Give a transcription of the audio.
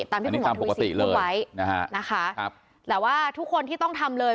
ตามที่คุณหมอถูกไว้นะคะแต่ว่าทุกคนที่ต้องทำเลย